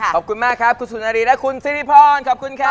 ขอบคุณมากครับคุณสุนารีและคุณสิริพรขอบคุณครับ